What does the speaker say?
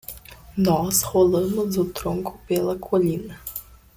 Nós rolamos o tronco pela colina.